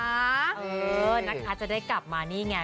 เออนะคะจะได้กลับมานี่ไง